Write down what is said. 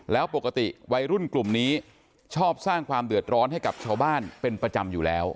แล้วปกติวัยรุ่นกลุ่มนี้ชอบสร้างความเดือดร้อนให้กับชาวบ้านเป็นประจำอยู่แล้ว